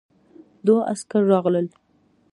دوه عسکر راغلل.